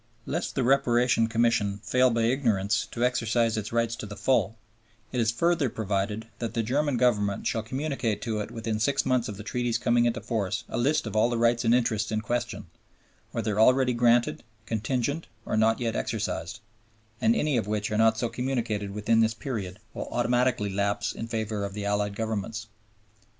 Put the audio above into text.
Lest the Reparation Commission fail by ignorance to exercise its rights to the full, it is further provided that the German Government shall communicate to it within six months of the Treaty's coming into force a list of all the rights and interests in question, "whether already granted, contingent or not yet exercised," and any which are not so communicated within this period will automatically lapse in favor of the Allied Governments.